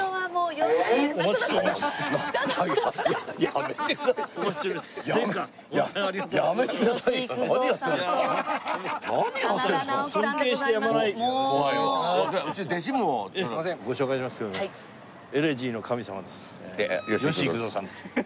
吉幾三さんです。